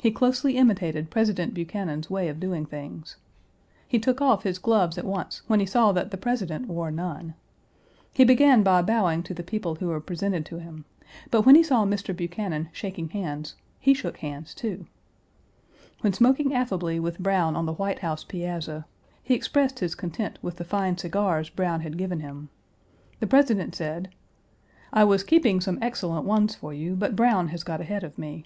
He closely imitated President Buchanan's way of doing things. He took off his gloves at once when he saw that the President wore none. He began by bowing to the people who were presented to him, but when he saw Mr. Buchanan shaking hands, he shook hands, too. When smoking affably with Browne on the White House piazza, he expressed his content with the fine cigars Browne had given him. The President said: "I was keeping some excellent ones for you, but Browne has got ahead of me."